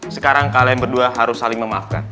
sekarang kalian berdua harus saling memaafkan